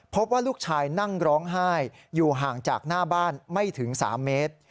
พบว่าลูกชายนั่งร้องไห้อยู่ห่างจากหน้าบ้านไม่ถึง๓เมตร